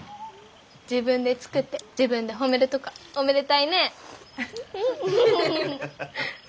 自分で作って自分で褒めるとかおめでたいねえ。